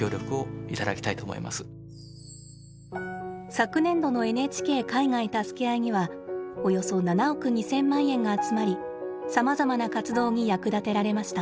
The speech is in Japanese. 昨年度の「ＮＨＫ海外たすけあい」にはおよそ７億２，０００万円が集まりさまざまな活動に役立てられました。